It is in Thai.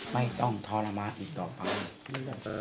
ไม่ต้องทรมานอีกต่อไป